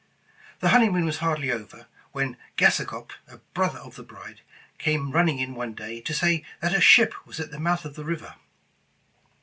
The honeymoon was hardly over, when Gassacop, a brother of the bride, came running in one day, to say that a ship was at the mouth of the river.